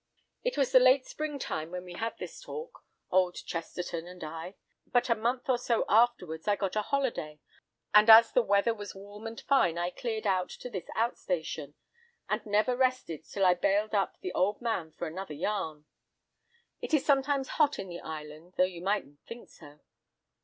"It was the late spring time when we had this talk, old Chesterton and I; but a month or so afterwards I got a holiday, and as the weather was warm and fine I cleared out to his out station, and never rested till I bailed up the old man for another yarn. It is sometimes hot in the island, though you mightn't think so."